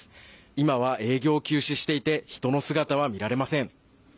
今は営業を休止していて人の姿は見られません。